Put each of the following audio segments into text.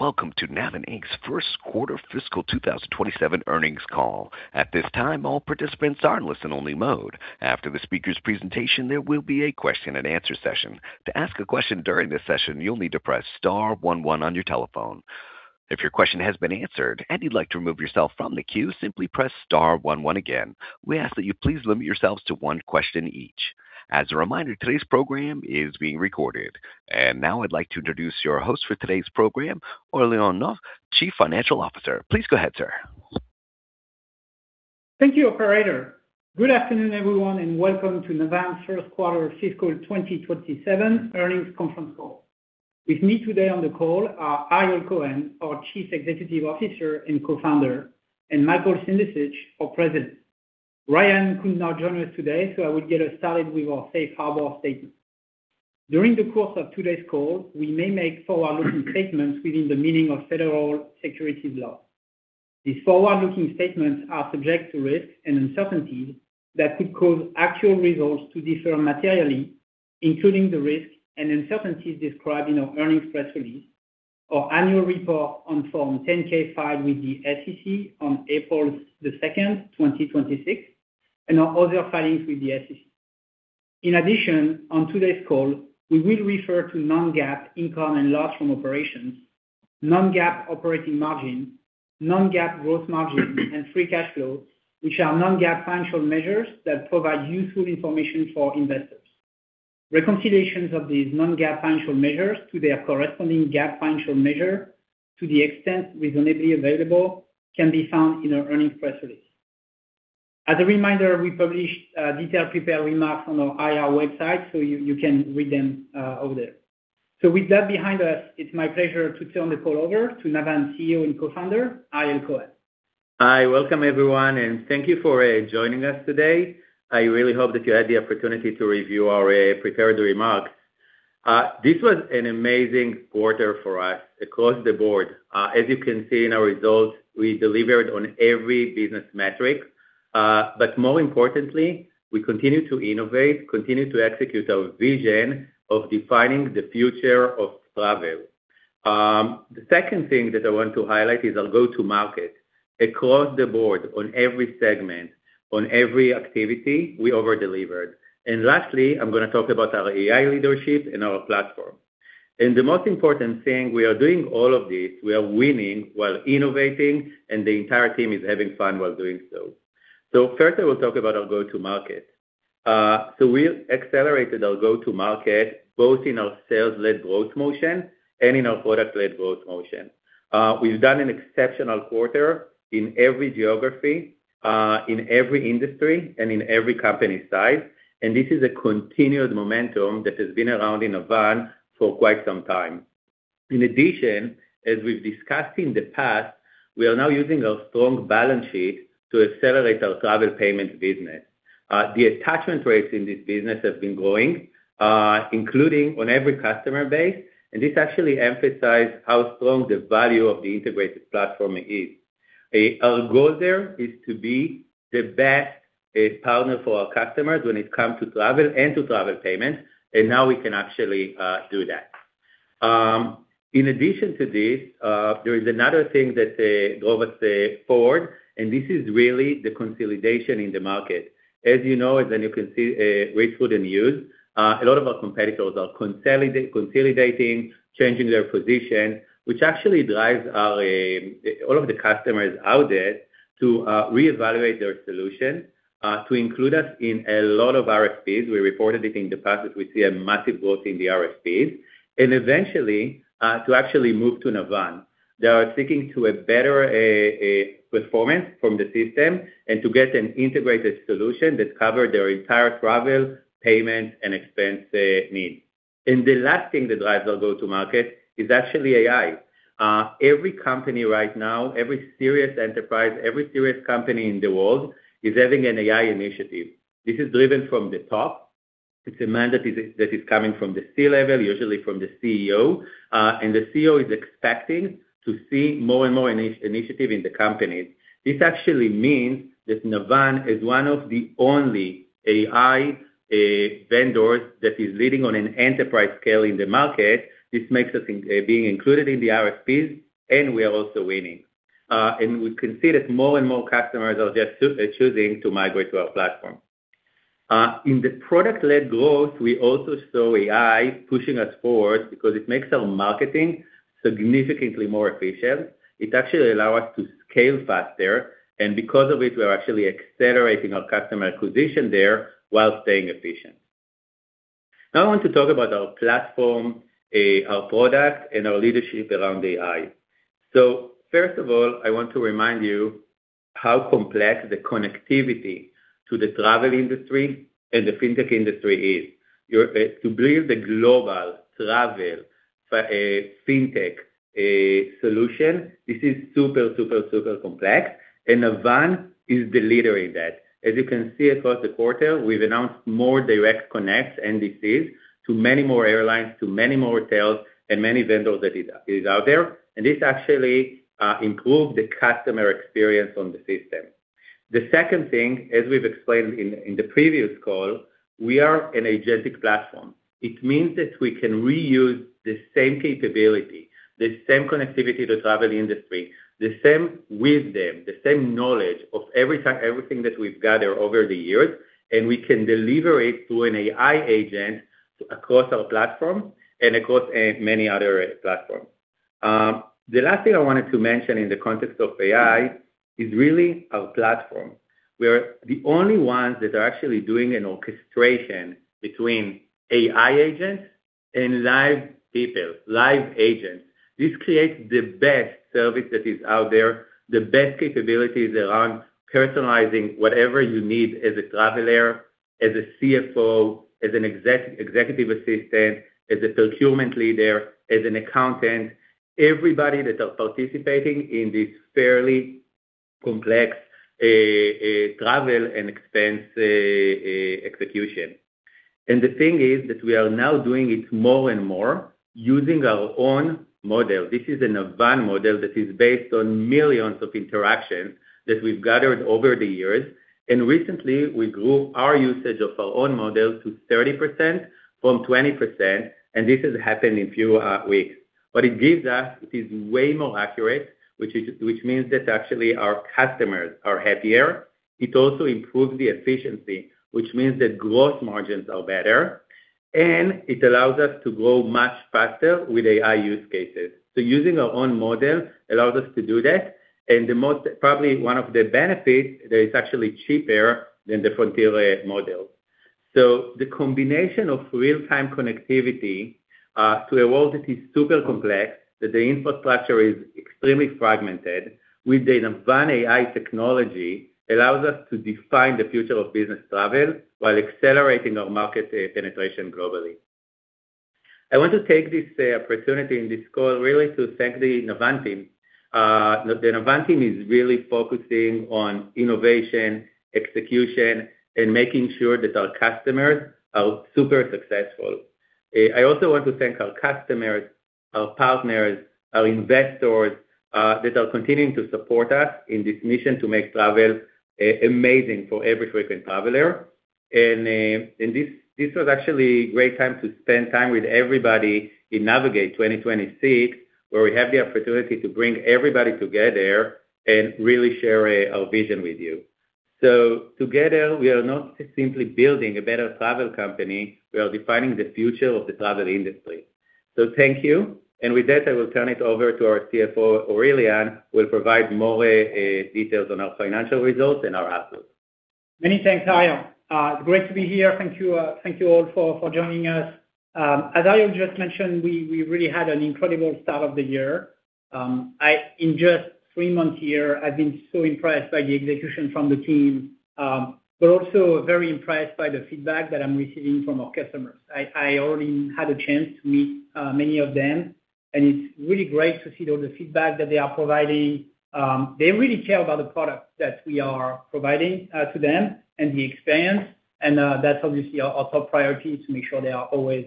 Welcome to Navan Inc.'s first quarter fiscal 2027 earnings call. At this time, all participants are in listen only mode. After the speaker's presentation, there will be a question and answer session. To ask a question during this session, you'll need to press star one one on your telephone. If your question has been answered and you'd like to remove yourself from the queue, simply press star one one again. We ask that you please limit yourselves to one question each. As a reminder, today's program is being recorded. Now I'd like to introduce your host for today's program, Aurélien Nolf, Chief Financial Officer. Please go ahead, sir. Thank you, operator. Good afternoon, everyone, and welcome to Navan's first quarter fiscal 2027 earnings conference call. With me today on the call are Ariel Cohen, our Chief Executive Officer and Co-founder, and Michael Sindicich, our President. Ryan could not join us today. I will get us started with our safe harbor statement. During the course of today's call, we may make forward-looking statements within the meaning of federal securities law. These forward-looking statements are subject to risks and uncertainties that could cause actual results to differ materially, including the risks and uncertainties described in our earnings press release, our annual report on Form 10-K filed with the SEC on April 2nd, 2026, and our other filings with the SEC. In addition, on today's call, we will refer to non-GAAP income and loss from operations, non-GAAP operating margin, non-GAAP growth margin, and free cash flow, which are non-GAAP financial measures that provide useful information for investors. Reconciliations of these non-GAAP financial measures to their corresponding GAAP financial measure, to the extent reasonably available, can be found in our earnings press release. As a reminder, we published detailed prepared remarks on our IR website. You can read them over there. With that behind us, it's my pleasure to turn the call over to Navan CEO and Co-founder, Ariel Cohen. Hi. Welcome, everyone. Thank you for joining us today. I really hope that you had the opportunity to review our prepared remarks. This was an amazing quarter for us across the board. As you can see in our results, we delivered on every business metric. More importantly, we continue to innovate, continue to execute our vision of defining the future of travel. The second thing that I want to highlight is our go-to-market. Across the board, on every segment, on every activity, we over-delivered. Lastly, I'm going to talk about our AI leadership and our platform. The most important thing, we are doing all of this, we are winning while innovating, and the entire team is having fun while doing so. First, I will talk about our go-to-market. We accelerated our go-to-market both in our sales-led growth motion and in our product-led growth motion. We've done an exceptional quarter in every geography, in every industry, and in every company size. This is a continued momentum that has been around in Navan for quite some time. In addition, as we've discussed in the past, we are now using our strong balance sheet to accelerate our travel payment business. The attachment rates in this business have been growing, including on every customer base. This actually emphasized how strong the value of the integrated platform is. Our goal there is to be the best partner for our customers when it comes to travel and to travel payments. Now we can actually do that. In addition to this, there is another thing that drove us forward. This is really the consolidation in the market. As you know, as you can see rates within use, a lot of our competitors are consolidating, changing their position, which actually drives all of the customers out there to reevaluate their solution, to include us in a lot of RFPs. We reported it in the past that we see a massive growth in the RFPs. Eventually, to actually move to Navan, they are seeking to a better performance from the system and to get an integrated solution that cover their entire travel, payment, and expense needs. The last thing that drives our go-to-market is actually AI. Every company right now, every serious enterprise, every serious company in the world, is having an AI initiative. This is driven from the top. It's a mandate that is coming from the C-level, usually from the CEO. The CEO is expecting to see more and more initiative in the companies. This actually means that Navan is one of the only AI vendors that is leading on an enterprise scale in the market. This makes us being included in the RFPs. We are also winning. We can see that more and more customers are just choosing to migrate to our platform. In the Product-Led Growth, we also saw AI pushing us forward because it makes our marketing significantly more efficient. It actually allow us to scale faster. Because of it, we are actually accelerating our customer acquisition there while staying efficient. Now I want to talk about our platform, our product, and our leadership around AI. First of all, I want to remind you how complex the connectivity to the travel industry and the fintech industry is. To build a global travel fintech solution, this is super, super complex. Navan is the leader in that. As you can see across the quarter, we've announced more direct connects and DCs to many more airlines, to many more tails, and many vendors that is out there. This actually improved the customer experience on the system. The second thing, as we've explained in the previous call, we are an agentic platform. It means that we can reuse the same capability, the same connectivity to travel industry, the same wisdom, the same knowledge of everything that we've gathered over the years. We can deliver it through an AI agent across our platform and across many other platforms. The last thing I wanted to mention in the context of AI is really our platform. We are the only ones that are actually doing an orchestration between AI agents and live people, live agents. This creates the best service that is out there, the best capabilities around personalizing whatever you need as a traveler, as a CFO, as an executive assistant, as a procurement leader, as an accountant, everybody that are participating in this fairly complex travel and expense execution. The thing is that we are now doing it more and more using our own model. This is a Navan model that is based on millions of interactions that we've gathered over the years. Recently we grew our usage of our own model to 30% from 20%, and this has happened in few weeks. What it gives us, it is way more accurate, which means that actually our customers are happier. It also improves the efficiency, which means that growth margins are better, and it allows us to grow much faster with AI use cases. Using our own model allows us to do that, and probably one of the benefits, that it's actually cheaper than the Frontier model. The combination of real-time connectivity, to a world that is super complex, that the infrastructure is extremely fragmented, with the Navan AI technology, allows us to define the future of business travel while accelerating our market penetration globally. I want to take this opportunity in this call really to thank the Navan team. The Navan team is really focusing on innovation, execution, and making sure that our customers are super successful. I also want to thank our customers, our partners, our investors, that are continuing to support us in this mission to make travel amazing for every frequent traveler. This was actually great time to spend time with everybody in Navigate 2026, where we had the opportunity to bring everybody together and really share our vision with you. Together, we are not just simply building a better travel company, we are defining the future of the travel industry. Thank you. With that, I will turn it over to our CFO, Aurélien, who will provide more details on our financial results and our outlook. Many thanks, Ariel. It's great to be here. Thank you all for joining us. As Ariel just mentioned, we really had an incredible start of the year. In just three months here, I've been so impressed by the execution from the team, but also very impressed by the feedback that I'm receiving from our customers. I already had a chance to meet many of them, and it's really great to see all the feedback that they are providing. They really care about the products that we are providing to them and the experience, and that's obviously our top priority, to make sure they are always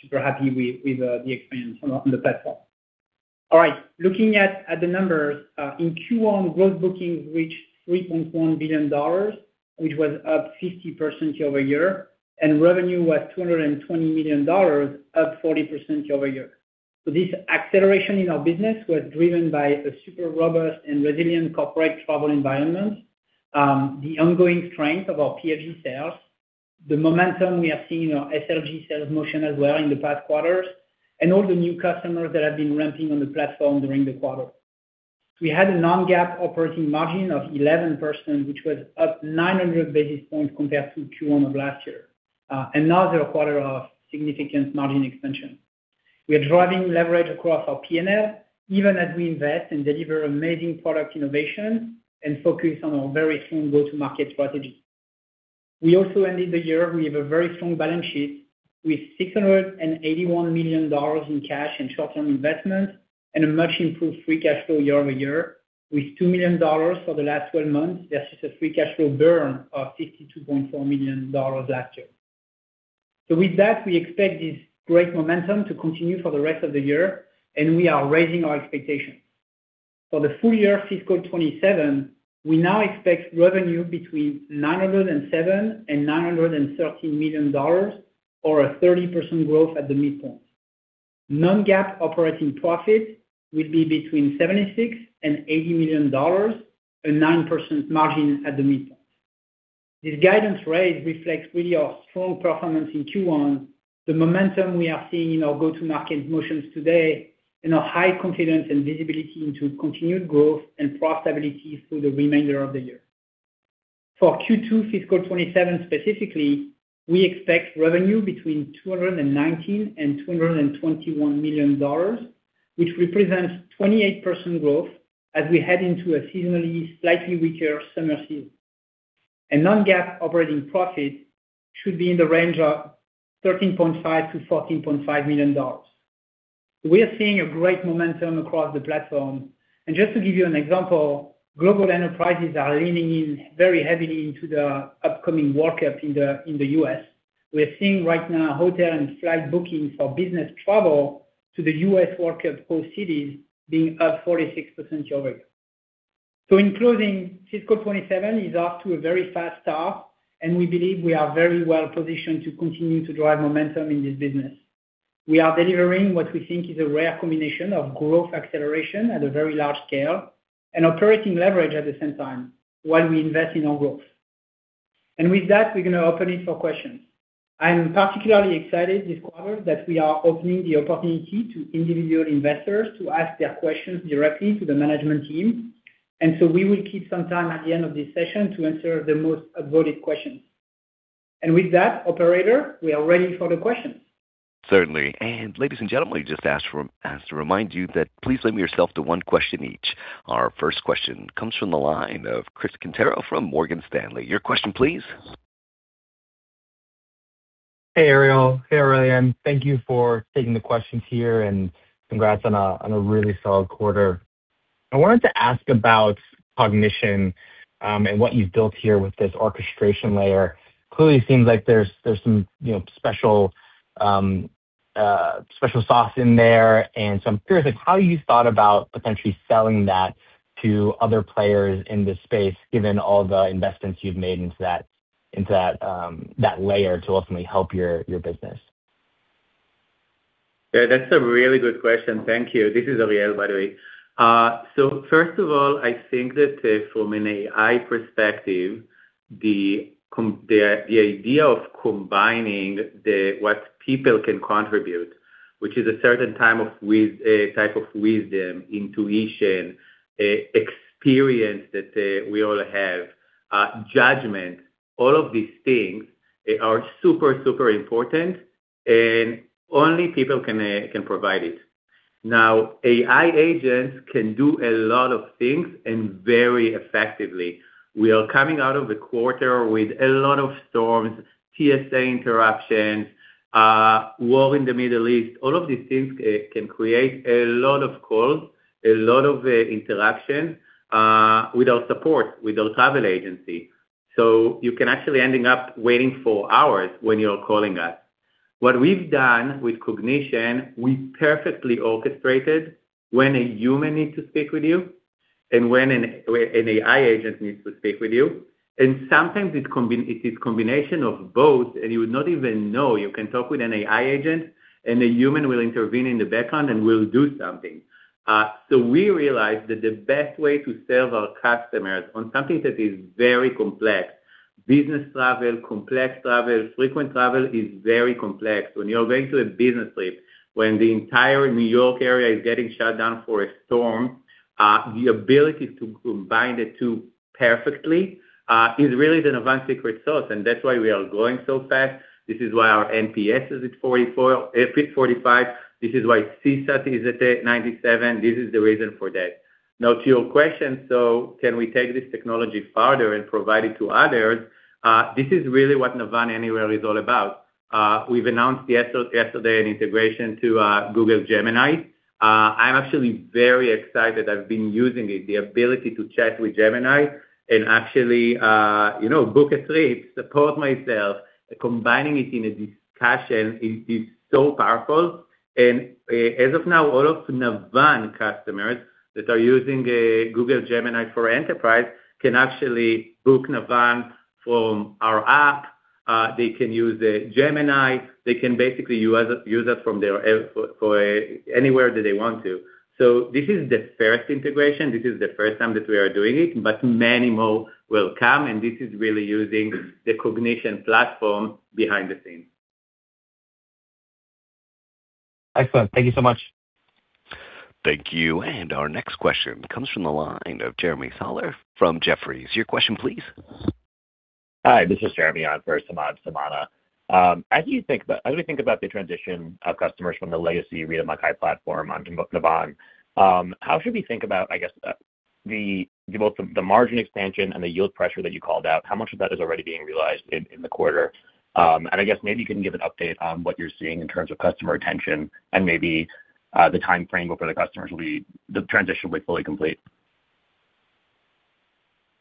super happy with the experience on the platform. All right. Looking at the numbers, in Q1, gross bookings reached $3.1 billion, which was up 50% year-over-year, and revenue was $220 million, up 40% year-over-year. This acceleration in our business was driven by a super robust and resilient corporate travel environment, the ongoing strength of our PFE sales, the momentum we have seen in our SLG sales motion as well in the past quarters, and all the new customers that have been ramping on the platform during the quarter. We had a non-GAAP operating margin of 11%, which was up 900 basis points compared to Q1 of last year. Another quarter of significant margin expansion. We are driving leverage across our P&L even as we invest and deliver amazing product innovation and focus on our very strong go-to-market strategy. We also ended the year, we have a very strong balance sheet, with $681 million in cash and short-term investments and a much improved free cash flow year-over-year with $2 million for the last 12 months. That's just a free cash flow burn of $52.4 million last year. With that, we expect this great momentum to continue for the rest of the year, and we are raising our expectations. For the full year fiscal 2027, we now expect revenue between $907 million and $913 million, or a 30% growth at the midpoint. Non-GAAP operating profit will be between $76 million and $80 million, a 9% margin at the midpoint. This guidance raise reflects really our strong performance in Q1, the momentum we are seeing in our go-to-market motions today, and our high confidence and visibility into continued growth and profitability through the remainder of the year. For Q2 fiscal 2027 specifically, we expect revenue between $219 million and $221 million, which represents 28% growth as we head into a seasonally slightly weaker summer season. Non-GAAP operating profit should be in the range of $13.5 million to $14.5 million. We are seeing a great momentum across the platform. Just to give you an example, global enterprises are leaning in very heavily into the upcoming World Cup in the U.S. We are seeing right now hotel and flight bookings for business travel to the U.S. World Cup host cities being up 46% year-over-year. In closing, fiscal 2027 is off to a very fast start, and we believe we are very well positioned to continue to drive momentum in this business. We are delivering what we think is a rare combination of growth acceleration at a very large scale and operating leverage at the same time while we invest in our growth. With that, we're going to open it for questions. I'm particularly excited this quarter that we are opening the opportunity to individual investors to ask their questions directly to the management team. We will keep some time at the end of this session to answer the most upvoted questions. With that, operator, we are ready for the questions. Certainly. Ladies and gentlemen, just ask to remind you that please limit yourself to one question each. Our first question comes from the line of Chris Quintero from Morgan Stanley. Your question, please. Hey, Ariel. Hey, Aurélien. Thank you for taking the questions here, congrats on a really solid quarter. I wanted to ask about Cognition, and what you've built here with this orchestration layer. Clearly, seems like there's some special sauce in there, so I'm curious how you thought about potentially selling that to other players in this space, given all the investments you've made into that layer to ultimately help your business. That's a really good question. Thank you. This is Aurélien, by the way. First of all, I think that from an AI perspective, the idea of combining what people can contribute, which is a certain type of wisdom, intuition, experience that we all have, judgment, all of these things are super important, and only people can provide it. Now, AI agents can do a lot of things and very effectively. We are coming out of the quarter with a lot of storms, TSA interruptions, war in the Middle East. All of these things can create a lot of calls, a lot of interaction, with our support, with our travel agency. You can actually ending up waiting for hours when you're calling us. What we've done with Cognition, we perfectly orchestrated when a human need to speak with you and when an AI agent needs to speak with you, sometimes it is combination of both, and you would not even know. You can talk with an AI agent, a human will intervene in the background and will do something. We realized that the best way to serve our customers on something that is very complex, business travel, complex travel, frequent travel is very complex. When you're going to a business trip, when the entire New York area is getting shut down for a storm, the ability to combine the two perfectly, is really the Navan secret sauce, that's why we are growing so fast. This is why our NPS is at 45. This is why CSAT is at 97. This is the reason for that. Now, to your question, can we take this technology farther and provide it to others? This is really what Navan Anywhere is all about. We've announced yesterday an integration to Gemini Enterprise. I'm actually very excited. I've been using it, the ability to chat with Gemini and actually book a trip, support myself. Combining it in a discussion is so powerful. As of now, all of Navan customers that are using Gemini Enterprise can actually book Navan from our app. They can use Gemini. They can basically use it from anywhere that they want to. This is the first integration. This is the first time that we are doing it, but many more will come, and this is really using the Cognition platform behind the scenes. Excellent. Thank you so much. Thank you. Our next question comes from the line of Jeremy Soller from Jefferies. Your question, please. Hi, this is Jeremy on for Samad Samana. As we think about the transition of customers from the legacy Reed & Mackay platform on Navan, how should we think about, I guess, both the margin expansion and the yield pressure that you called out, how much of that is already being realized in the quarter? I guess maybe you can give an update on what you're seeing in terms of customer retention and maybe the time frame over the customers, the transition will be fully complete.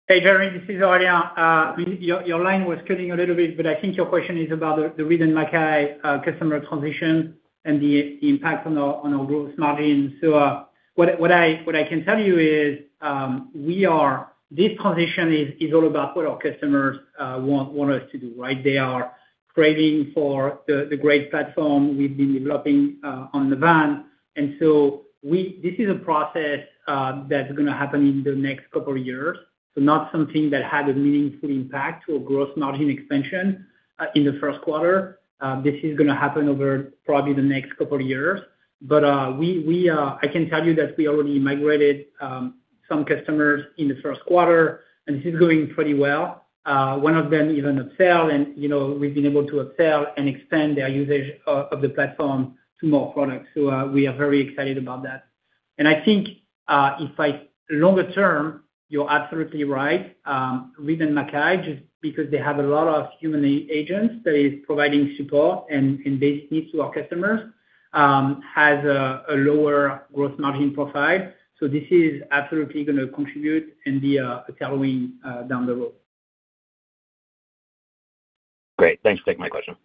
Hey, Jeremy. This is Aurélien. Your line was cutting a little bit. I think your question is about the Reed & Mackay customer transition and the impact on our gross margin. What I can tell you is, this transition is all about what our customers want us to do, right? They are craving for the great platform we've been developing on Navan. This is a process that's going to happen in the next couple of years. Not something that had a meaningful impact to a gross margin expansion in the first quarter. This is going to happen over probably the next couple of years. I can tell you that we already migrated some customers in the first quarter, and this is going pretty well. One of them even upsell, and we've been able to upsell and expand their usage of the platform to more products. We are very excited about that. I think, longer term, you're absolutely right, Reed & Mackay, just because they have a lot of human agents that is providing support and basic needs to our customers, has a lower gross margin profile. This is absolutely going to contribute and be a tailwind down the road. Great. Thanks. Take my question.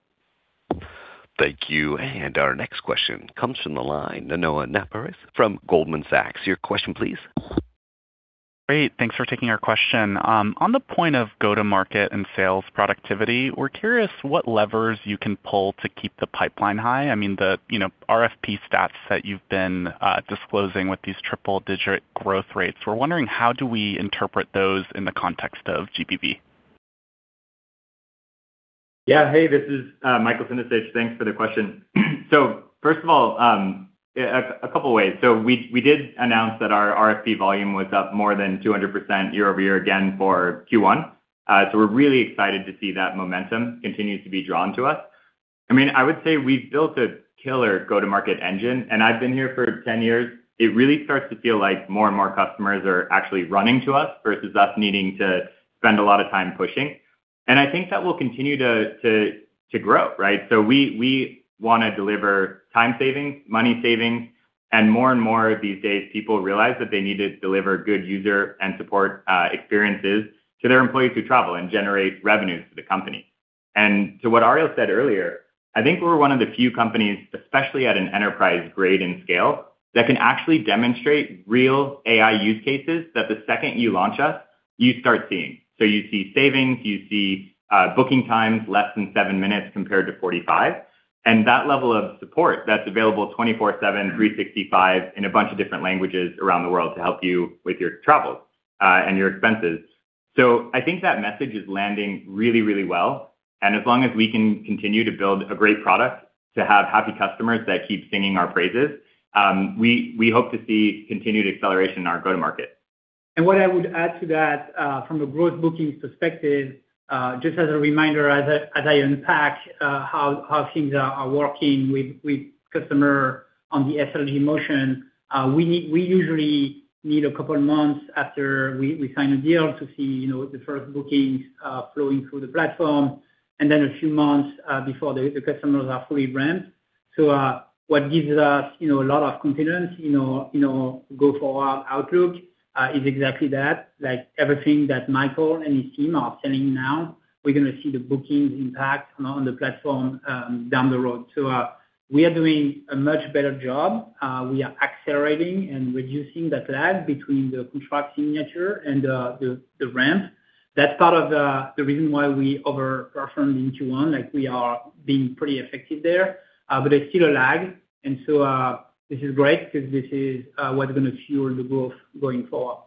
Thank you. Our next question comes from the line, Noah Naparstek from Goldman Sachs. Your question, please. Great. Thanks for taking our question. On the point of go-to-market and sales productivity, we're curious what levers you can pull to keep the pipeline high. The RFP stats that you've been disclosing with these triple-digit growth rates. We're wondering how do we interpret those in the context of GBV? Hey, this is Michael Sindicich. Thanks for the question. First of all, a couple ways. We did announce that our RFP volume was up more than 200% year-over-year again for Q1. We're really excited to see that momentum continue to be drawn to us. I would say we've built a killer go-to-market engine, and I've been here for 10 years. It really starts to feel like more and more customers are actually running to us versus us needing to spend a lot of time pushing. I think that will continue to grow, right? We want to deliver time savings, money savings, and more and more these days, people realize that they need to deliver good user and support experiences to their employees who travel and generate revenues to the company. To what Ariel said earlier, I think we're one of the few companies, especially at an enterprise grade and scale, that can actually demonstrate real AI use cases, that the second you launch us, you start seeing. You see savings, you see booking times less than seven minutes compared to 45. That level of support that's available 24/7, 365 in a bunch of different languages around the world to help you with your travels and your expenses. I think that message is landing really well, and as long as we can continue to build a great product, to have happy customers that keep singing our praises, we hope to see continued acceleration in our go-to-market. What I would add to that from a growth bookings perspective, just as a reminder as I unpack how things are working with customer on the SLG motion we usually need a couple months after we sign a deal to see the first bookings flowing through the platform, and then a few months before the customers are fully ramped. What gives us a lot of confidence go forward outlook, is exactly that. Everything that Michael and his team are selling now, we're going to see the bookings impact on the platform down the road. We are doing a much better job. We are accelerating and reducing the lag between the contract signature and the ramp. That's part of the reason why we over-performed in Q1. We are being pretty effective there. There's still a lag, this is great because this is what's going to fuel the growth going forward.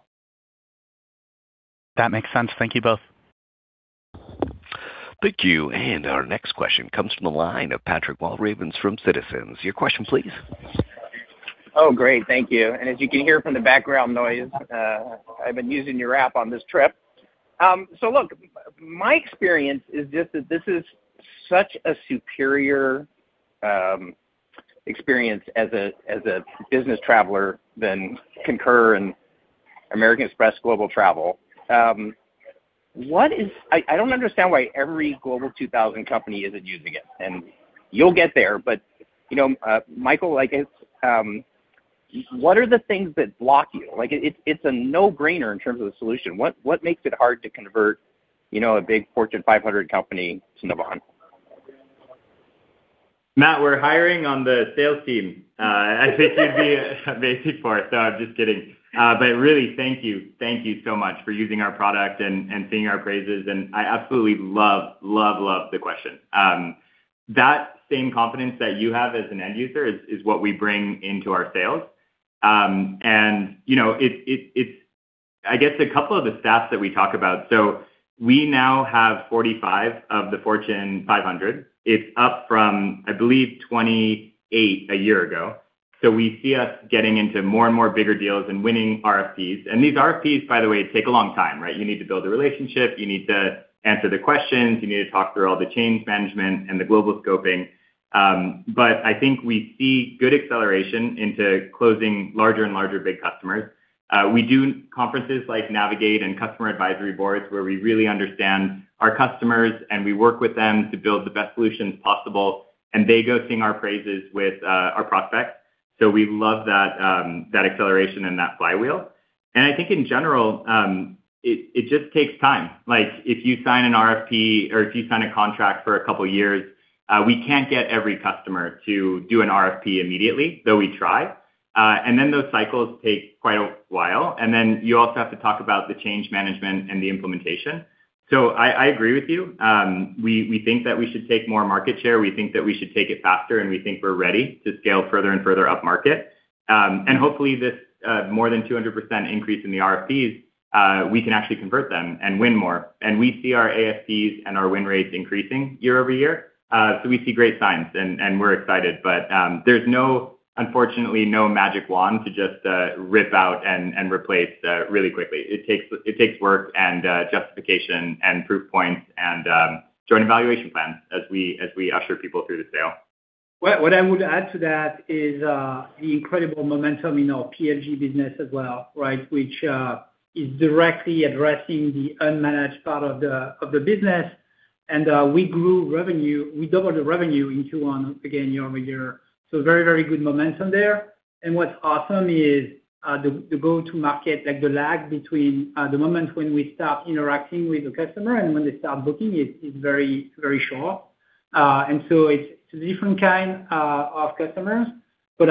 That makes sense. Thank you both. Thank you. Our next question comes from the line of Patrick Walravens from Citizens. Your question, please. Great. Thank you. As you can hear from the background noise, I've been using your app on this trip. My experience is just that this is such a superior experience as a business traveler than Concur and American Express Global Travel. I don't understand why every Global 2000 company isn't using it. You'll get there, but Michael, I guess, what are the things that block you? It's a no-brainer in terms of the solution. What makes it hard to convert a big Fortune 500 company to Navan? Matt, we're hiring on the sales team. I think you'd be a good fit for it. No, I'm just kidding. Really, thank you. Thank you so much for using our product and singing our praises. I absolutely love the question. That same confidence that you have as an end user is what we bring into our sales. I guess a couple of the stats that we talk about. We now have 45 of the Fortune 500. It's up from, I believe, 28 a year ago. We see us getting into more and more bigger deals and winning RFPs. These RFPs, by the way, take a long time, right? You need to build a relationship. You need to answer the questions. You need to talk through all the change management and the global scoping. I think we see good acceleration into closing larger and larger big customers. We do conferences like Navigate and customer advisory boards, where we really understand our customers. We work with them to build the best solutions possible. They go sing our praises with our prospects. We love that acceleration and that flywheel. I think in general, it just takes time. If you sign an RFP or if you sign a contract for a couple of years, we can't get every customer to do an RFP immediately, though we try. Those cycles take quite a while. You also have to talk about the change management and the implementation. I agree with you. We think that we should take more market share. We think that we should take it faster, and we think we're ready to scale further and further upmarket. Hopefully this more than 200% increase in the RFPs, we can actually convert them and win more. We see our ASPs and our win rates increasing year-over-year. We see great signs. We're excited. There's unfortunately no magic wand to just rip out and replace really quickly. It takes work and justification and proof points and joint evaluation plans as we usher people through the sale. What I would add to that is the incredible momentum in our PLG business as well, which is directly addressing the unmanaged part of the business. We grew revenue. We doubled the revenue in Q1, again, year-over-year. Very, very good momentum there. What's awesome is the go-to market, like the lag between the moment when we start interacting with the customer and when they start booking is very short. It's different kind of customers, but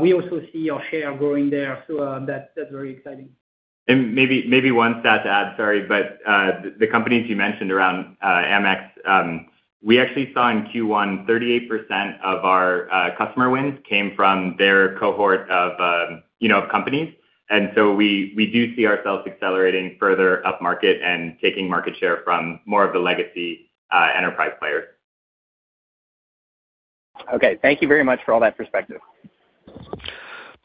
we also see our share growing there. That's very exciting. Maybe one stat to add, sorry, the companies you mentioned around Amex, we actually saw in Q1, 38% of our customer wins came from their cohort of companies. We do see ourselves accelerating further upmarket and taking market share from more of the legacy enterprise players. Okay. Thank you very much for all that perspective.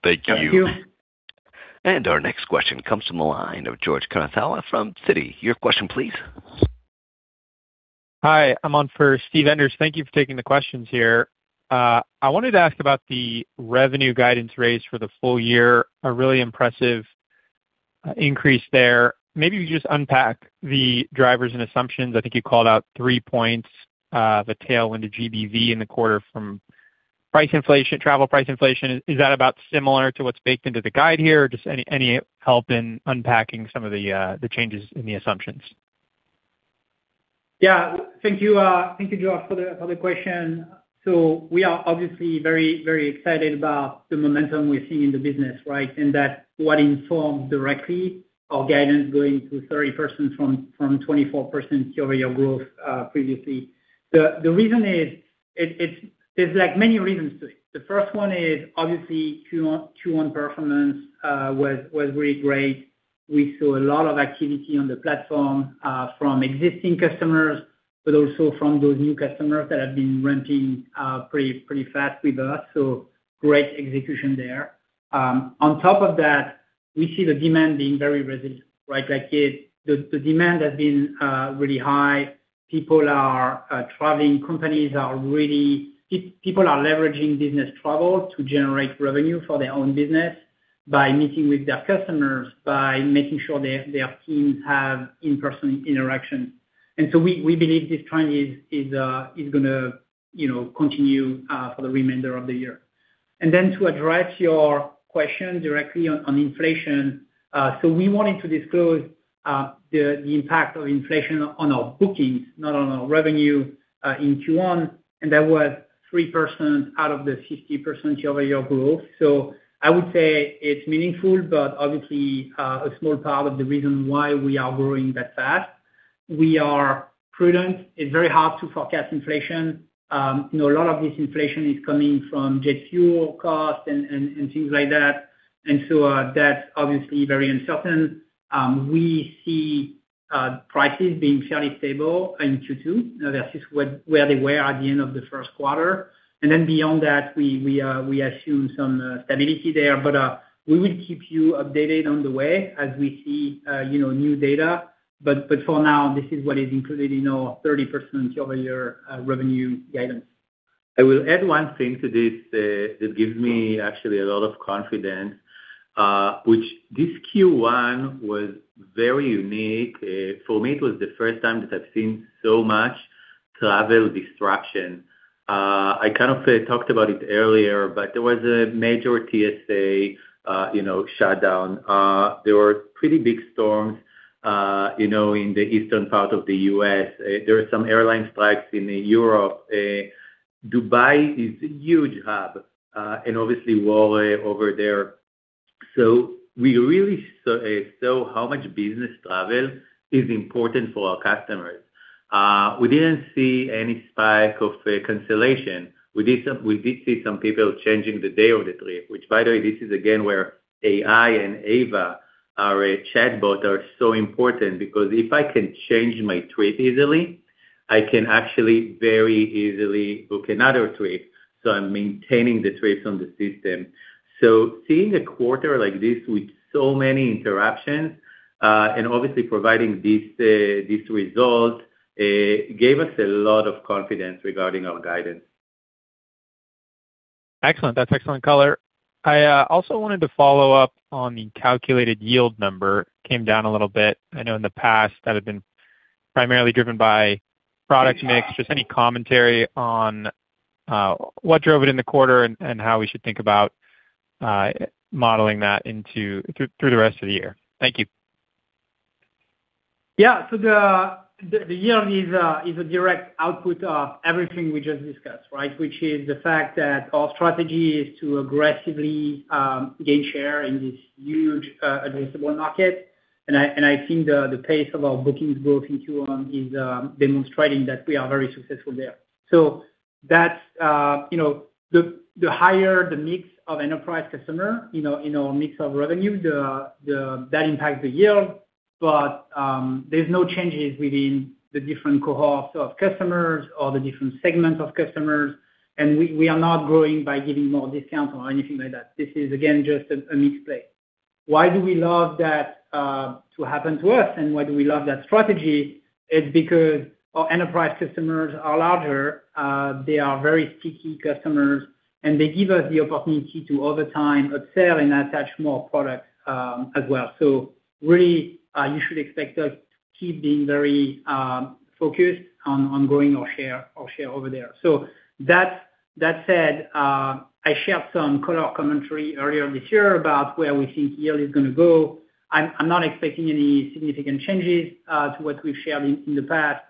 Thank you. Thank you. Our next question comes from the line of George Kunnath from Citi. Your question please. Hi, I'm on for Steven Enders. Thank you for taking the questions here. I wanted to ask about the revenue guidance raise for the full year, a really impressive increase there. Maybe you just unpack the drivers and assumptions. I think you called out three points, the tail into GBV in the quarter from travel price inflation. Is that about similar to what's baked into the guide here, or just any help in unpacking some of the changes in the assumptions? Yeah. Thank you, George, for the question. We are obviously very excited about the momentum we're seeing in the business, right? That what informed directly our guidance going to 30% from 24% year-over-year growth, previously. There's many reasons to it. The first one is obviously Q1 performance was really great. We saw a lot of activity on the platform, from existing customers, but also from those new customers that have been ramping pretty fast with us. Great execution there. On top of that, we see the demand being very resilient, right? The demand has been really high. People are traveling, people are leveraging business travel to generate revenue for their own business by meeting with their customers, by making sure their teams have in-person interaction. We believe this trend is going to continue for the remainder of the year. To address your question directly on inflation. We wanted to disclose the impact of inflation on our bookings, not on our revenue, in Q1, and that was 3% out of the 50% year-over-year growth. I would say it's meaningful, but obviously, a small part of the reason why we are growing that fast. We are prudent. It's very hard to forecast inflation. A lot of this inflation is coming from jet fuel costs and things like that. That's obviously very uncertain. We see prices being fairly stable in Q2. That is where they were at the end of the first quarter. Beyond that, we assume some stability there. We will keep you updated on the way as we see new data. For now, this is what is included in our 30% year-over-year revenue guidance. I will add one thing to this that gives me actually a lot of confidence, which this Q1 was very unique. For me, it was the first time that I've seen so much travel disruption. I kind of talked about it earlier, but there was a major TSA shutdown. There were pretty big storms in the eastern part of the U.S. There were some airline strikes in Europe. Dubai is a huge hub, and obviously, Wallie over there. We really saw how much business travel is important for our customers. We didn't see any spike of cancellation. We did see some people changing the day of the trip, which by the way, this is again, where AI and Ava, our chatbot, are so important because if I can change my trip easily, I can actually very easily book another trip. I'm maintaining the trips on the system. Seeing a quarter like this with so many interruptions, and obviously providing this result, gave us a lot of confidence regarding our guidance. Excellent. That's excellent color. I also wanted to follow up on the calculated yield number. Came down a little bit. I know in the past that had been primarily driven by product mix. Just any commentary on what drove it in the quarter and how we should think about modeling that through the rest of the year. Thank you. Yeah. The yield is a direct output of everything we just discussed, right? Which is the fact that our strategy is to aggressively gain share in this huge addressable market. I think the pace of our bookings growth in Q1 is demonstrating that we are very successful there. The higher the mix of enterprise customer, in our mix of revenue, that impacts the yield. There's no changes within the different cohorts of customers or the different segments of customers. We are not growing by giving more discount or anything like that. This is, again, just a mix play. Why do we love that to happen to us, and why do we love that strategy? It's because our enterprise customers are larger. They are very sticky customers, and they give us the opportunity to, over time, upsell and attach more products as well. Really, you should expect us to keep being very focused on growing our share over there. That said, I shared some color commentary earlier this year about where we think yield is going to go. I'm not expecting any significant changes to what we've shared in the past.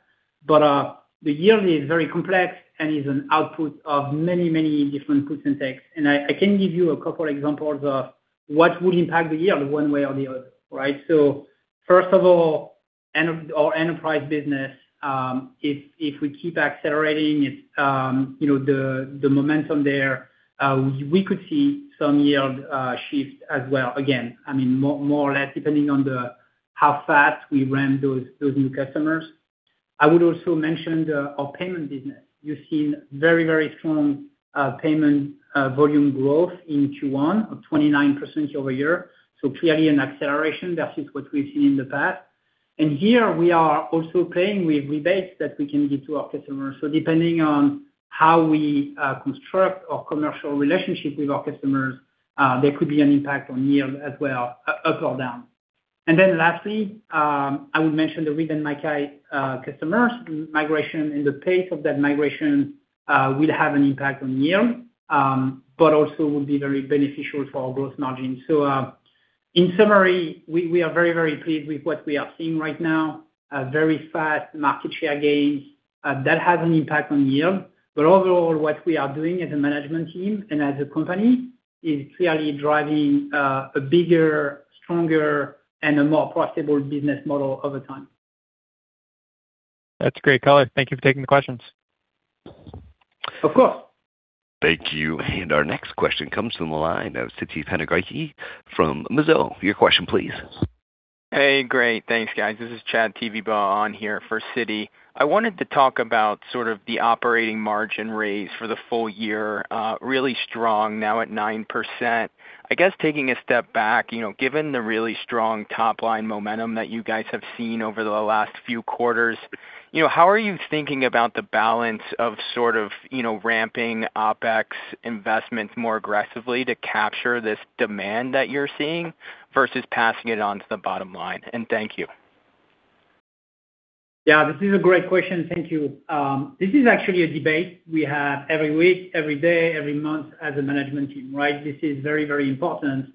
The yield is very complex and is an output of many different inputs and techs. I can give you a couple examples of what would impact the yield one way or the other. Right? First of all, our enterprise business, if we keep accelerating the momentum there, we could see some yield shift as well. Again, more or less, depending on how fast we ramp those new customers. I would also mention our payment business. You've seen very strong payment volume growth in Q1 of 29% year-over-year. Clearly an acceleration versus what we've seen in the past. Here we are also playing with rebates that we can give to our customers. Depending on how we construct our commercial relationship with our customers, there could be an impact on yield as well, up or down. Lastly, I would mention the Reed & Mackay customers migration and the pace of that migration will have an impact on yield, but also will be very beneficial for our growth margin. In summary, we are very pleased with what we are seeing right now, very fast market share gains. That has an impact on yield. Overall, what we are doing as a management team and as a company is clearly driving a bigger, stronger, and a more profitable business model over time. That's great, Colin. Thank you for taking the questions. Of course. Thank you. Our next question comes from the line of Siti Panigrahi from Mizuho. Your question, please. Hey, great. Thanks, guys. This is Chad TVB on here for Siti. I wanted to talk about sort of the operating margin rates for the full year, really strong now at 9%. I guess taking a step back, given the really strong top-line momentum that you guys have seen over the last few quarters, how are you thinking about the balance of sort of ramping OPEX investments more aggressively to capture this demand that you're seeing versus passing it on to the bottom line? Thank you. Yeah, this is a great question. Thank you. This is actually a debate we have every week, every day, every month as a management team, right? This is very important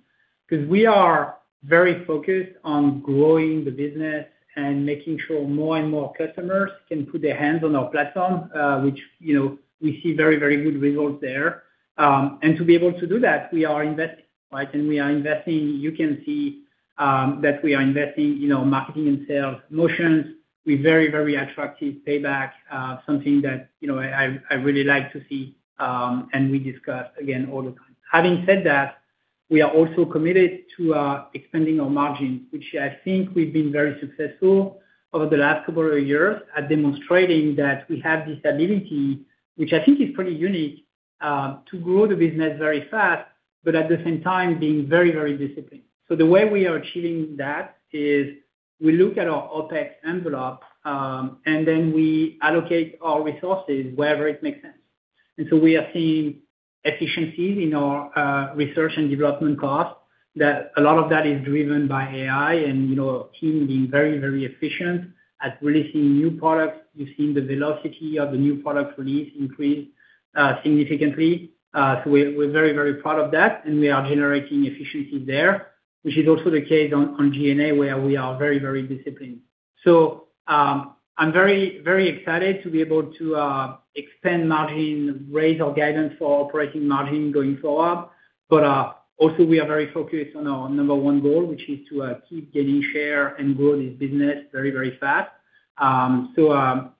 because we are very focused on growing the business and making sure more and more customers can put their hands on our platform, which we see very good results there. To be able to do that, we are investing, right? You can see that we are investing marketing and sales motions with very attractive payback, something that I really like to see and we discuss again all the time. Having said that, we are also committed to expanding our margins, which I think we've been very successful over the last couple of years at demonstrating that we have this ability, which I think is pretty unique, to grow the business very fast, but at the same time being very disciplined. The way we are achieving that is we look at our OPEX envelope, and then we allocate our resources wherever it makes sense. We are seeing efficiencies in our research and development costs that a lot of that is driven by AI and our team being very efficient at releasing new products. You've seen the velocity of the new product release increase significantly. We're very proud of that, and we are generating efficiency there, which is also the case on G&A, where we are very disciplined. I'm very excited to be able to expand margin, raise our guidance for operating margin going forward. Also, we are very focused on our number one goal, which is to keep gaining share and grow this business very fast.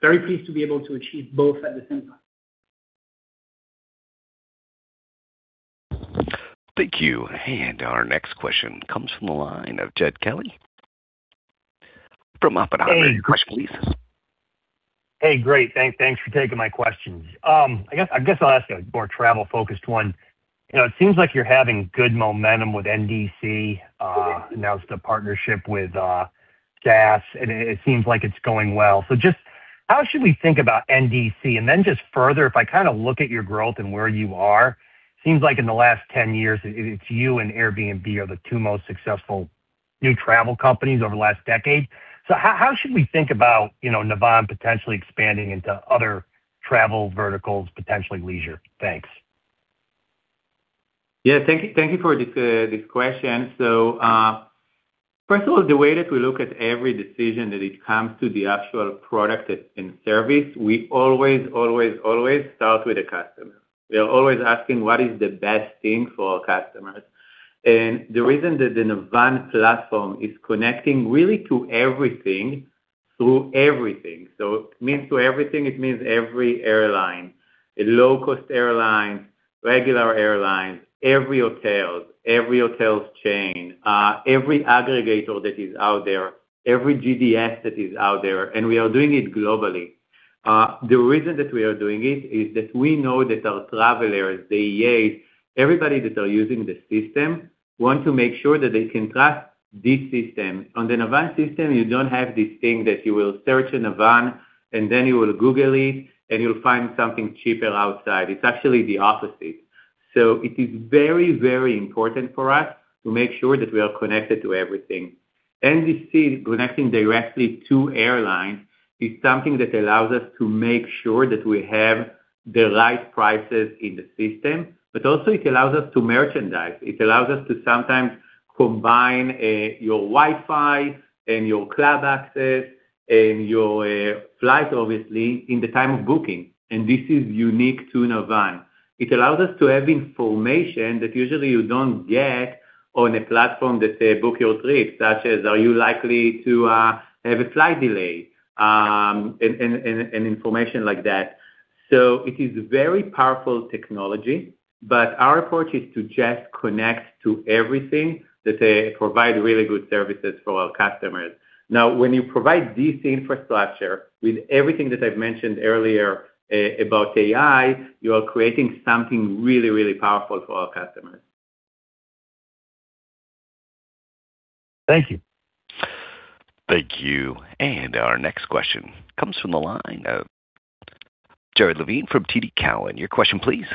Very pleased to be able to achieve both at the same time. Thank you. Our next question comes from the line of Ted Kelly. Hey, great. Thanks for taking my questions. I guess I'll ask a more travel-focused one. It seems like you're having good momentum with NDC. Announced a partnership with Gas, and it seems like it's going well. Just how should we think about NDC? Then just further, if I look at your growth and where you are, seems like in the last 10 years, it's you and Airbnb are the two most successful new travel companies over the last decade. How should we think about Navan potentially expanding into other travel verticals, potentially leisure? Thanks. Yeah. Thank you for this question. First of all, the way that we look at every decision that it comes to the actual product that's in service, we always start with the customer. We are always asking what is the best thing for our customers? The reason that the Navan platform is connecting really to everything through everything. It means to everything, it means every airline, a low-cost airline, regular airlines, every hotel, every hotel chain, every aggregator that is out there, every GDS that is out there, and we are doing it globally. The reason that we are doing it is that we know that our travelers, the EAs, everybody that are using the system want to make sure that they can trust this system. On the Navan system, you don't have this thing that you will search in Navan, and then you will Google it, and you'll find something cheaper outside. It's actually the opposite. It is very important for us to make sure that we are connected to everything. NDC connecting directly to airlines is something that allows us to make sure that we have the right prices in the system, but also it allows us to merchandise. It allows us to sometimes combine your Wi-Fi and your cloud access and your flight, obviously, in the time of booking, and this is unique to Navan. It allows us to have information that usually you don't get on a platform that say, "Book your trip," such as are you likely to have a flight delay, and information like that. It is very powerful technology, but our approach is to just connect to everything that provide really good services for our customers. When you provide this infrastructure with everything that I've mentioned earlier about AI, you are creating something really powerful for our customers. Thank you. Thank you. Our next question comes from the line of Jared Levine from TD Cowen. Your question, please.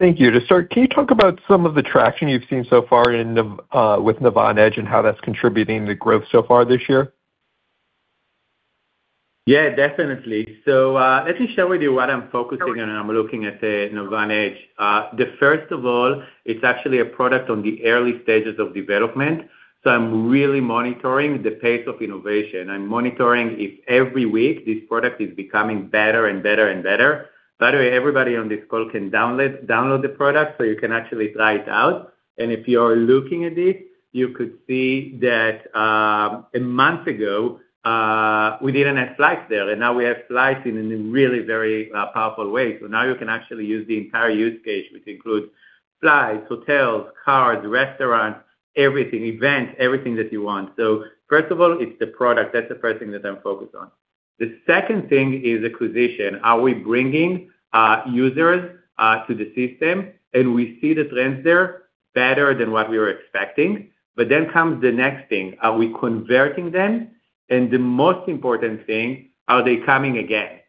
Thank you. To start, can you talk about some of the traction you've seen so far with Navan Edge and how that's contributing to growth so far this year? Yeah, definitely. Let me share with you what I'm focusing on when I'm looking at Navan Edge. The first of all, it's actually a product on the early stages of development, I'm really monitoring the pace of innovation. I'm monitoring if every week this product is becoming better and better and better. By the way, everybody on this call can download the product, you can actually try it out. If you are looking at it, you could see that, a month ago, we didn't have flights there, now we have flights in a really very powerful way. Now you can actually use the entire use case, which includes flights, hotels, cars, restaurants, everything, events, everything that you want. First of all, it's the product. That's the first thing that I'm focused on. The second thing is acquisition. Are we bringing users to the system? We see the trends there better than what we were expecting. Comes the next thing. Are we converting them? The most important thing, are they coming again?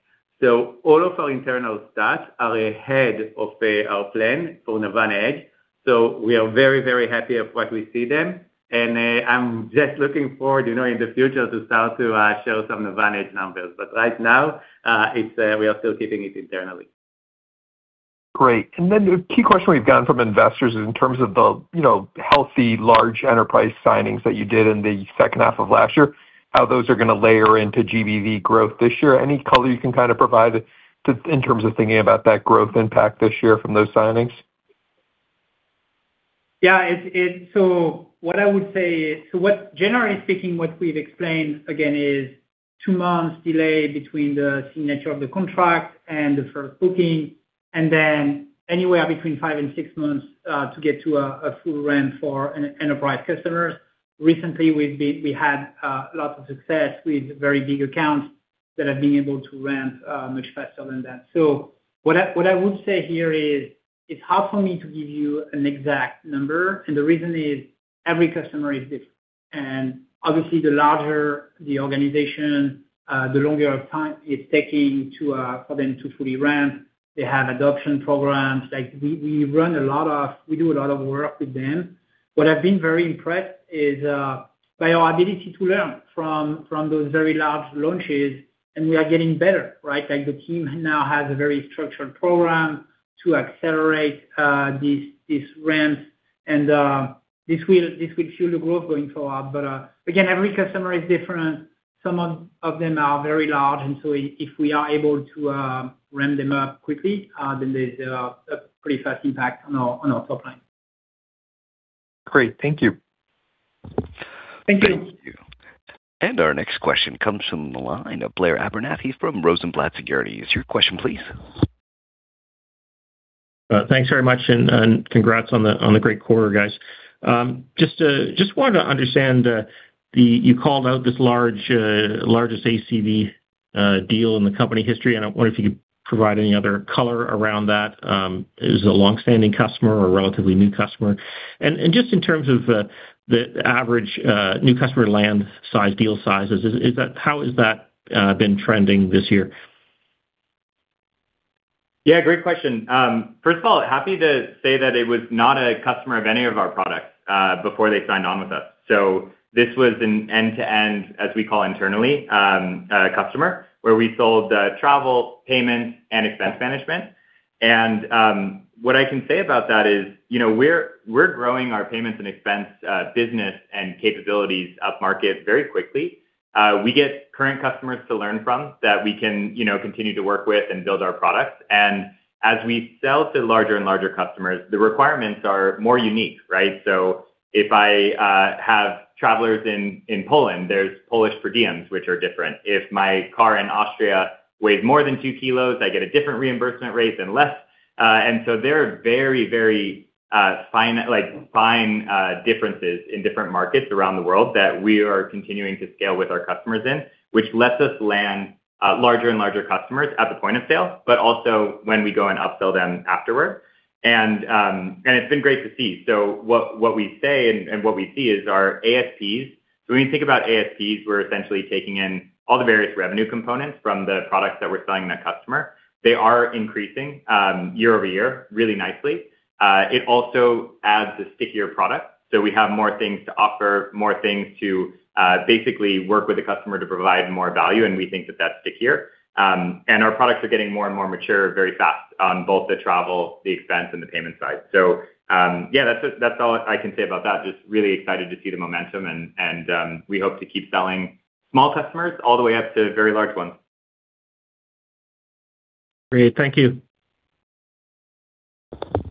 All of our internal stats are ahead of our plan for Navan Edge, we are very, very happy of what we see then. I'm just looking forward in the future to start to show some Navan Edge numbers. Right now, we are still keeping it internally. Great. The key question we've gotten from investors is in terms of the healthy, large enterprise signings that you did in the second half of last year, how those are going to layer into GBV growth this year. Any color you can kind of provide in terms of thinking about that growth impact this year from those signings? Yeah. What I would say is, generally speaking, what we've explained again is two months delay between the signature of the contract and the first booking, and then anywhere between five and six months, to get to a full ramp for enterprise customers. Recently, we had lots of success with very big accounts that have been able to ramp much faster than that. What I would say here is, it's hard for me to give you an exact number, and the reason is every customer is different. Obviously the larger the organization, the longer of time it's taking for them to fully ramp. They have adoption programs. Like we do a lot of work with them. What I've been very impressed is by our ability to learn from those very large launches, and we are getting better, right? Like the team now has a very structured program to accelerate this ramp, and this will fuel the growth going forward. Again, every customer is different. Some of them are very large, if we are able to ramp them up quickly, there's a pretty fast impact on our top line. Great. Thank you. Thank you. Thank you. Our next question comes from the line of Blair Abernethy from Rosenblatt Securities. Your question, please. Thanks very much. Congrats on the great quarter, guys. Just wanted to understand, you called out this largest ACV deal in the company history, and I wonder if you could provide any other color around that. Is it a longstanding customer or a relatively new customer? Just in terms of the average new customer land size, deal sizes, how has that been trending this year? Yeah, great question. First of all, happy to say that it was not a customer of any of our products before they signed on with us. This was an end-to-end, as we call internally, customer, where we sold travel, payments, and expense management. What I can say about that is we're growing our payments and expense business and capabilities up market very quickly. We get current customers to learn from that we can continue to work with and build our products. As we sell to larger and larger customers, the requirements are more unique, right? If I have travelers in Poland, there's Polish per diems, which are different. If my car in Austria weighs more than two kilos, I get a different reimbursement rate than less. They're very, very fine differences in different markets around the world that we are continuing to scale with our customers in, which lets us land larger and larger customers at the point of sale, but also when we go and upsell them afterward. It's been great to see. What we say and what we see is our ASPs. When you think about ASPs, we're essentially taking in all the various revenue components from the products that we're selling that customer. They are increasing year-over-year really nicely. It also adds a stickier product, so we have more things to offer, more things to basically work with the customer to provide more value, and we think that that's stickier. Our products are getting more and more mature very fast on both the travel, the expense, and the payment side. Yeah, that's all I can say about that. Just really excited to see the momentum, and we hope to keep selling small customers all the way up to very large ones. Great. Thank you.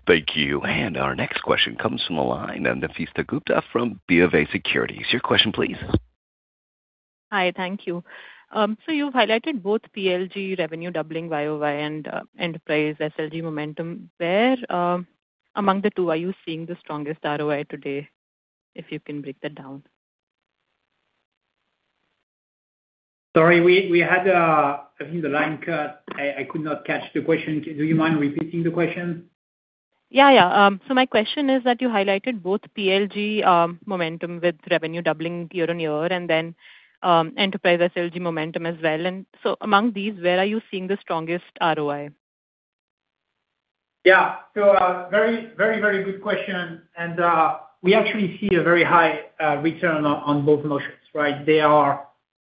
Thank you. Our next question comes from the line of Nafeesa Gupta from BofA Securities. Your question please. Hi. Thank you. You've highlighted both PLG revenue doubling Y-over-Y and Enterprise SLG momentum. Where among the two are you seeing the strongest ROI today? If you can break that down. Sorry, we had, I think the line cut. I could not catch the question. Do you mind repeating the question? Yeah. My question is that you highlighted both PLG momentum with revenue doubling year-on-year and then Enterprise SLG momentum as well. Among these, where are you seeing the strongest ROI? Yeah. Very good question. We actually see a very high return on both motions, right?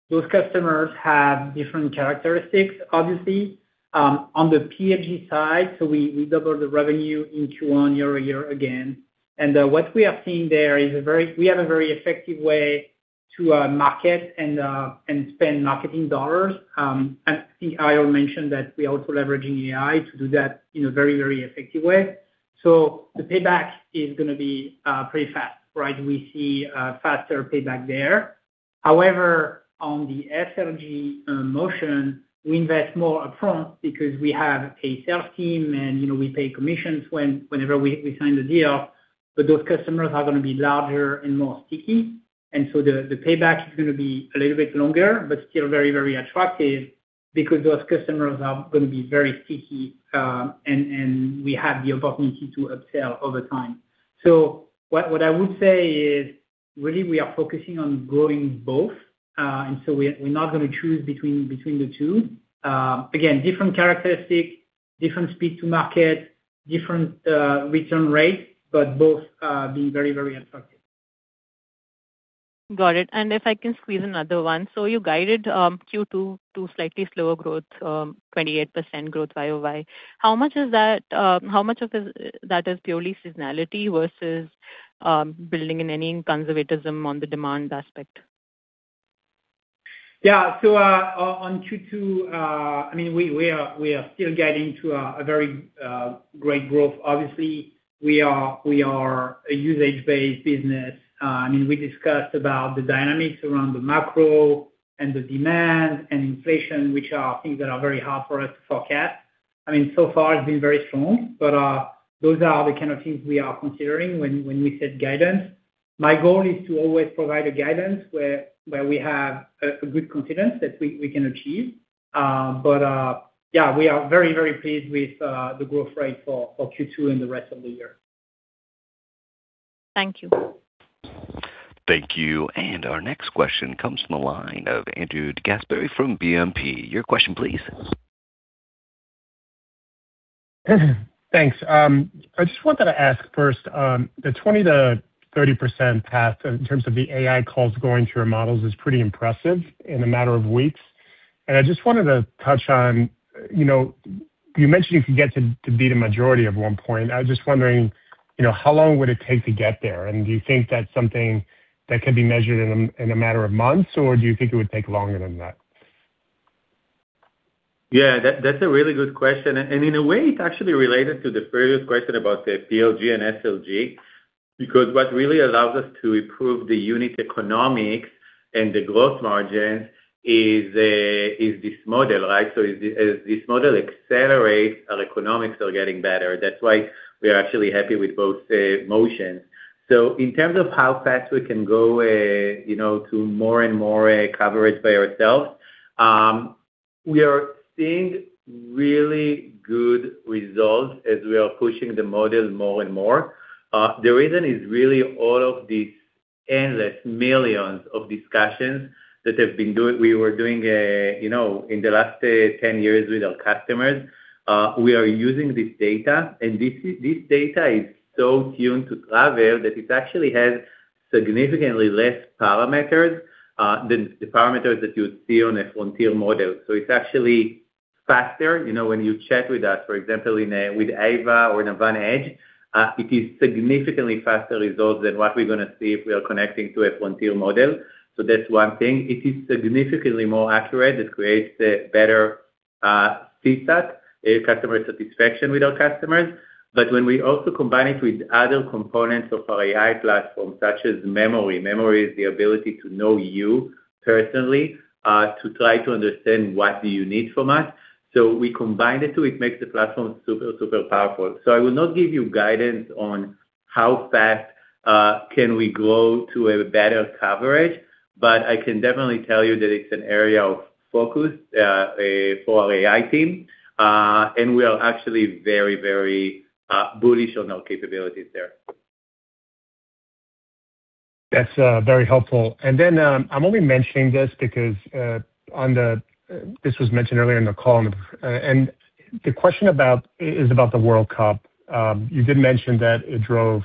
Those customers have different characteristics, obviously. On the PLG side, we double the revenue in Q1 year-over-year again. What we have seen there is we have a very effective way to market and spend marketing dollars. I think Ariel mentioned that we're also leveraging AI to do that in a very effective way. The payback is going to be pretty fast, right? We see a faster payback there. However, on the SLG motion, we invest more upfront because we have a sales team, and we pay commissions whenever we sign the deal. Those customers are going to be larger and more sticky, the payback is going to be a little bit longer, but still very attractive because those customers are going to be very sticky, and we have the opportunity to upsell over time. What I would say is, really, we are focusing on growing both. We're not going to choose between the two. Again, different characteristics, different speed to market, different return rate, but both being very attractive. Got it. If I can squeeze another one. You guided Q2 to slightly slower growth, 28% growth Y-over-Y. How much of that is purely seasonality versus building in any conservatism on the demand aspect? Yeah. On Q2, we are still getting to a very great growth. Obviously, we are a usage-based business. We discussed about the dynamics around the macro and the demand and inflation, which are things that are very hard for us to forecast. Far it's been very strong, but those are the kind of things we are considering when we set guidance. My goal is to always provide a guidance where we have a good confidence that we can achieve. Yeah, we are very pleased with the growth rate for Q2 and the rest of the year. Thank you. Thank you. Our next question comes from the line of Andrew DeGasperi from BNP. Your question, please. Thanks. I just wanted to ask first, the 20%-30% path in terms of the AI calls going through our models is pretty impressive in a matter of weeks. I just wanted to touch on, you mentioned you could get to be the majority of one point. I was just wondering, how long would it take to get there? Do you think that's something that can be measured in a matter of months, or do you think it would take longer than that? Yeah, that's a really good question. In a way, it's actually related to the previous question about the PLG and SLG, because what really allows us to improve the unit economics and the growth margins is this model, right? As this model accelerates, our economics are getting better. That's why we are actually happy with both motions. In terms of how fast we can go to more and more coverage by ourselves, we are seeing really good results as we are pushing the model more and more. The reason is really all of these endless millions of discussions that we were doing in the last 10 years with our customers. We are using this data, and this data is so tuned to travel that it actually has significantly less parameters than the parameters that you would see on a frontier model. It's actually faster. When you chat with us, for example, with Ava or Navan Edge, it is significantly faster results than what we're going to see if we are connecting to a frontier model. That's one thing. It is significantly more accurate. It creates a better CSAT, customer satisfaction with our customers. When we also combine it with other components of our AI platform such as Memory is the ability to know you personally, to try to understand what do you need from us. We combine the two, it makes the platform super powerful. I will not give you guidance on how fast can we grow to a better coverage, but I can definitely tell you that it's an area of focus for our AI team. We are actually very bullish on our capabilities there. That's very helpful. I'm only mentioning this because this was mentioned earlier in the call, the question is about the World Cup. You did mention that it drove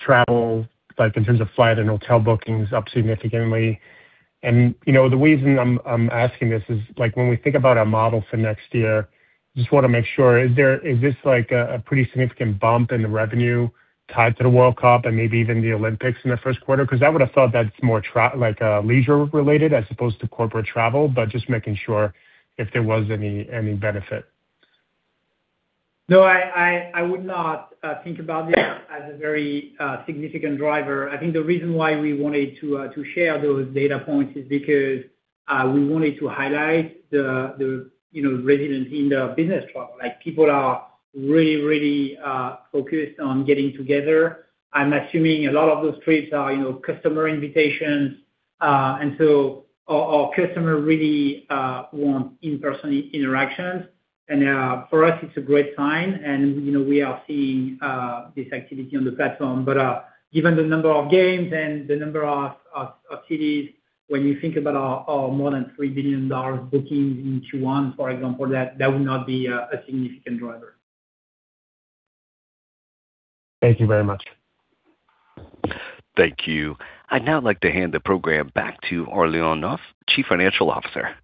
travel, like in terms of flight and hotel bookings, up significantly. The reason I'm asking this is when we think about our model for next year, just want to make sure, is this like a pretty significant bump in the revenue tied to the World Cup maybe even the Olympics in the first quarter? I would have thought that's more leisure related as opposed to corporate travel, just making sure if there was any benefit. No, I would not think about it as a very significant driver. The reason why we wanted to share those data points is because we wanted to highlight the resilience in the business travel. People are really focused on getting together. I'm assuming a lot of those trips are customer invitations. Our customer really wants in-person interactions. For us, it's a great sign, we are seeing this activity on the platform, given the number of games and the number of cities, when you think about our more than $3 billion bookings in Q1, for example, that would not be a significant driver. Thank you very much. Thank you. I'd now like to hand the program back to Aurélien Nolf, Chief Financial Officer.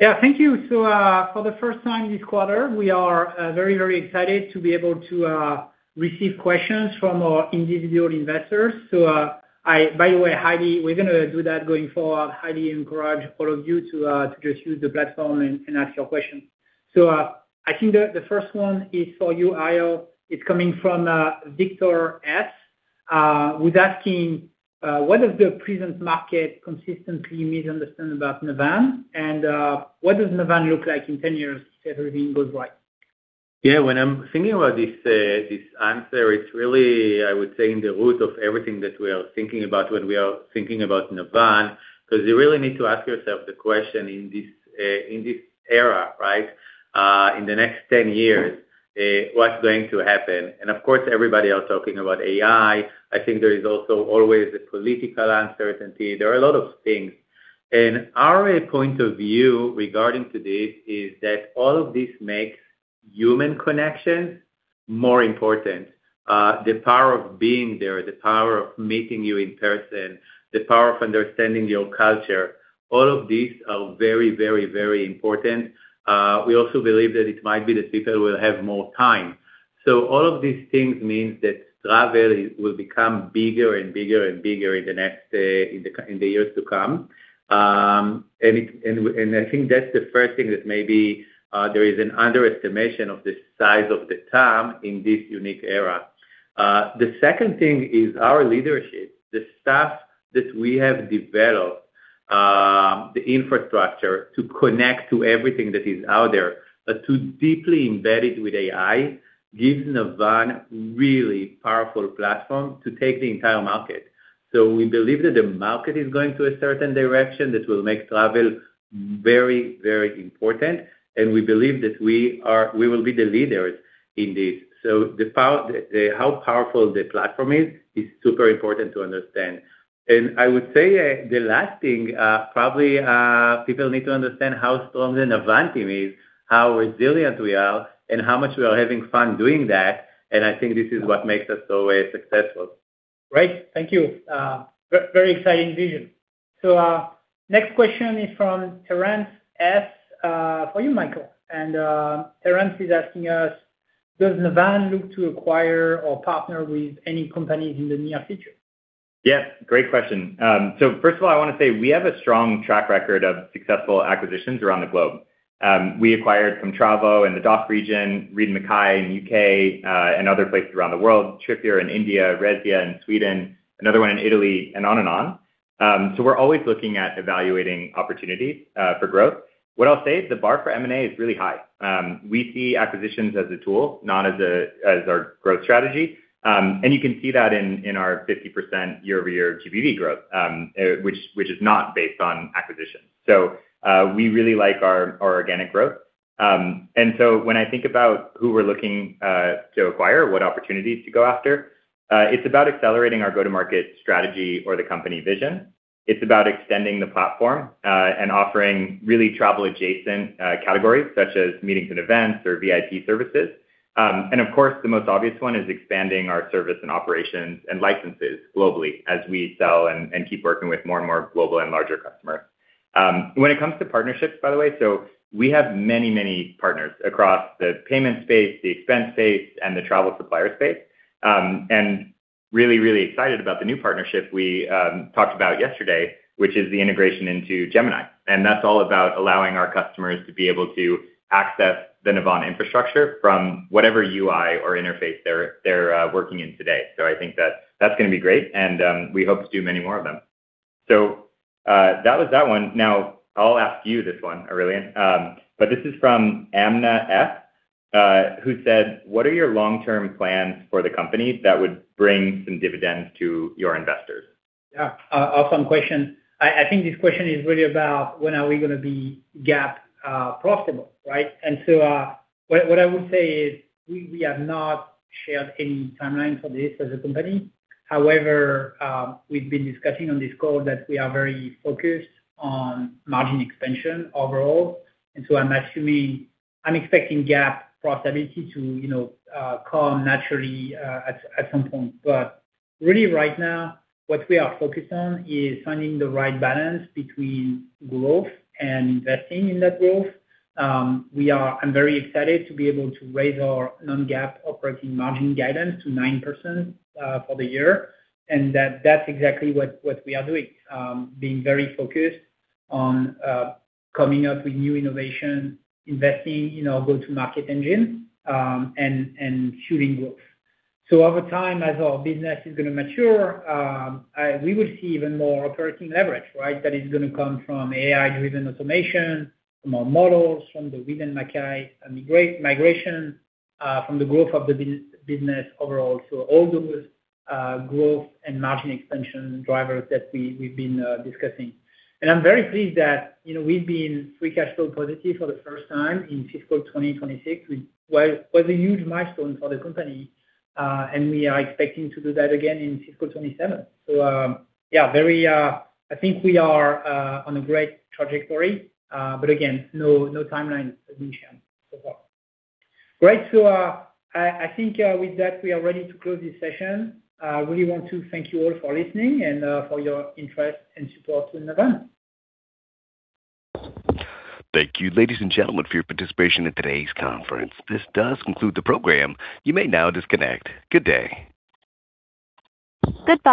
Thank you. For the first time this quarter, we are very excited to be able to receive questions from our individual investors. By the way, Heidi, we're going to do that going forward. I highly encourage all of you to just use the platform and ask your questions. I think the first one is for you, Ariel. It's coming from Victor S., who's asking, what is the present market consistently misunderstands about Navan? What does Navan look like in 10 years if everything goes right? Yeah, when I'm thinking about this answer, it's really, I would say, in the root of everything that we are thinking about when we are thinking about Navan, because you really need to ask yourself the question in this era, in the next 10 years, what's going to happen? Of course, everybody else talking about AI. I think there is also always the political uncertainty. There are a lot of things. Our point of view regarding to this is that all of this makes human connection more important. The power of being there, the power of meeting you in person, the power of understanding your culture, all of these are very important. We also believe that it might be that people will have more time. All of these things means that travel will become bigger in the years to come. I think that's the first thing that maybe there is an underestimation of the size of the TAM in this unique era. The second thing is our leadership, the staff that we have developed, the infrastructure to connect to everything that is out there, but to deeply embed it with AI, gives Navan really powerful platform to take the entire market. We believe that the market is going to a certain direction that will make travel very important, and we believe that we will be the leaders in this. How powerful the platform is super important to understand. I would say the last thing, probably, people need to understand how strong the Navan team is, how resilient we are, and how much we are having fun doing that, and I think this is what makes us always successful. Great. Thank you. Very exciting vision. Next question is from Terrence S. for you, Michael. Terrence is asking us, does Navan look to acquire or partner with any companies in the near future? Yes, great question. First of all, I want to say we have a strong track record of successful acquisitions around the globe. We acquired from Comtravo in the DACH region, Reed & Mackay in U.K., and other places around the world, Tripeur in India, Resia in Sweden, another one in Italy, and on and on. We're always looking at evaluating opportunities for growth. What I'll say is the bar for M&A is really high. We see acquisitions as a tool, not as our growth strategy. You can see that in our 50% year-over-year GBV growth, which is not based on acquisitions. We really like our organic growth. When I think about who we're looking to acquire, what opportunities to go after, it's about accelerating our go-to-market strategy or the company vision. It's about extending the platform, and offering really travel adjacent categories, such as meetings and events or VIP services. Of course, the most obvious one is expanding our service and operations and licenses globally as we sell and keep working with more and more global and larger customers. When it comes to partnerships, by the way, we have many partners across the payment space, the expense space, and the travel supplier space. Really excited about the new partnership we talked about yesterday, which is the integration into Gemini. That's all about allowing our customers to be able to access the Navan infrastructure from whatever UI or interface they're working in today. I think that that's going to be great, and we hope to do many more of them. That was that one. Now I'll ask you this one, Aurélien. This is from Amna F. who said, "What are your long-term plans for the company that would bring some dividends to your investors? Yeah. Awesome question. I think this question is really about when are we going to be GAAP profitable, right? What I would say is, we have not shared any timeline for this as a company. However, we've been discussing on this call that we are very focused on margin expansion overall, I'm assuming, I'm expecting GAAP profitability to come naturally at some point. Really right now, what we are focused on is finding the right balance between growth and investing in that growth. I'm very excited to be able to raise our non-GAAP operating margin guidance to 9% for the year, and that's exactly what we are doing. Being very focused on coming up with new innovation, investing in our go-to-market engine, and fueling growth. Over time, as our business is going to mature, we will see even more operating leverage, right? That is going to come from AI-driven automation, from our models, from the Reed & Mackay migration, from the growth of the business overall. All those growth and margin expansion drivers that we've been discussing. I'm very pleased that we've been free cash flow positive for the first time in fiscal 2026. It was a huge milestone for the company, and we are expecting to do that again in fiscal 2027. Yeah, I think we are on a great trajectory. Again, no timeline mentioned so far. Great. I think with that, we are ready to close this session. I really want to thank you all for listening and for your interest and support in Navan. Thank you, ladies and gentlemen, for your participation in today's conference. This does conclude the program. You may now disconnect. Good day. Good day.